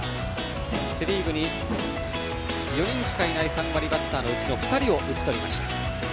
セ・リーグに４人しかいない３割バッターのうちの２人を打ち取りました。